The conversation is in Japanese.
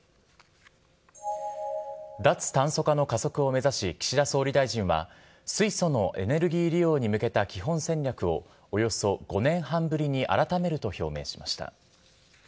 脱炭素化の加速を目指し、岸田総理大臣は、水素のエネルギー利用に向けた基本戦略を、およそ５年半ぶりに改めると表明しました。